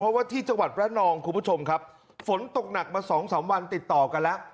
เพราะว่าที่จังหวัดระนองคุณผู้ชมครับฝนตกหนักมาสองสามวันติดต่อกันแล้ว